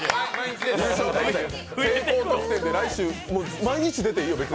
成功特典で来週毎日出ていいよ。